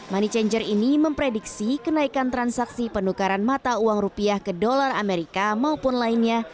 money changer ini memprediksi kenaikan transaksi penukaran mata uang rupiah ke dolar amerika maupun lainnya